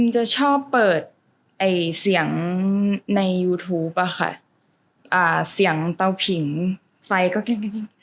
จะชอบเปิดเสียงในยูทูปอะค่ะเสียงเตาผิงไฟก็แก๊ก